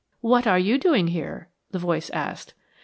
"What are you doing here?" the voice asked.